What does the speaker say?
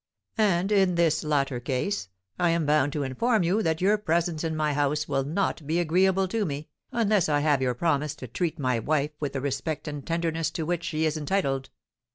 And, in this latter case, I am bound to inform you that your presence in my house will not be agreeable to me, unless I have your promise to treat my wife with the respect and tenderness to which she is entitled.'